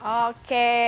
oke terima kasih